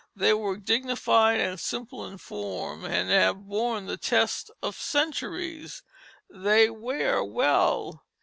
They were dignified and simple in form, and have borne the test of centuries, they wear well.